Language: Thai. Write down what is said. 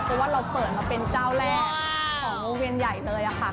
เพราะว่าเราเปิดมาเป็นเจ้าแรกของวงเวียนใหญ่เลยค่ะ